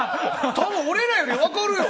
多分、俺らより分かるよ！